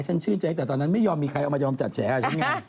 ฉันชื่นใจแต่ตอนนั้นไม่ยอมมีใครเอามาจัดแฉะ